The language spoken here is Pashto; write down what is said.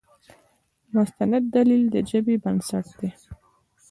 مستند دلیل د ژبې بنسټ دی.